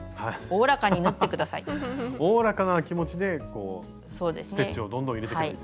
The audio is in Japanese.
おおらかな気持ちでステッチをどんどん入れてけばいいんですね。